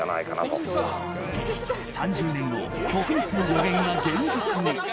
３０年後、徳光の予言が現実に。